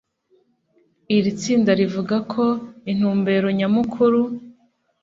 Iri tsinda rivuga ko intumbero nyamukuru